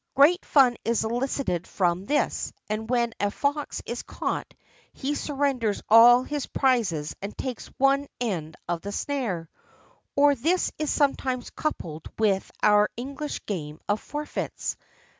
Great fun is elicited from this, and when a fox is caught, he surrenders all his prizes and takes one end of the snare. Or this is sometimes coupled with our English game of forfeits.